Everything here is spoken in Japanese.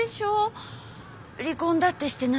離婚だってしてないし。